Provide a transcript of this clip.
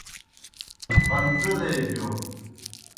پݩزیلے بِیو۔